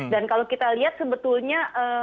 dan kalau kita lihat sebetulnya